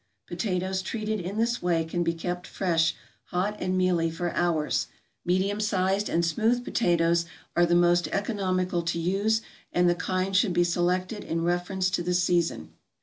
Potatoes treated in this way can be kept fresh, hot and mealy for hours. Medium sized and smooth potatoes are the most economical to use, and the kind should be selected in reference to the season.